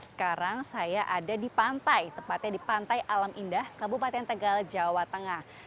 sekarang saya ada di pantai tepatnya di pantai alam indah kabupaten tegal jawa tengah